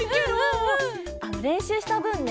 れんしゅうしたぶんね